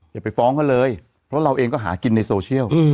อย่าไปฟ้องเขาเลยเพราะเราเองก็หากินในโซเชียล